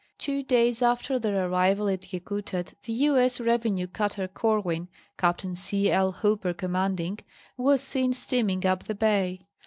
'T'wo days after their arrival at Yakutat the U. S. Revenue Cutter Corwin, Capt. C. L. Hooper commanding, was seen steaming up the bay.